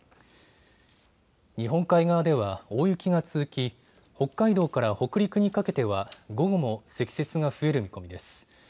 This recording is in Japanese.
日本海側では大雪が続き北海道から北陸にかけては午後も積雪が増える見込みです。